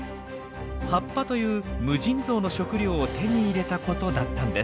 葉っぱという無尽蔵の食料を手に入れたことだったんです。